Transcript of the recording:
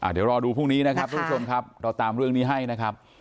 เดี๋ยวรอดูพรุ่งนี้นะครับทุกผู้ชมครับเราตามเรื่องนี้ให้นะครับ